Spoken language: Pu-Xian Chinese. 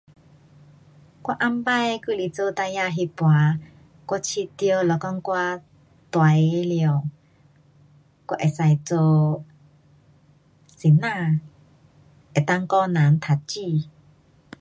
我以前还是做孩儿那次，我觉得若讲我大个了，我可以做老师。能够教人读书。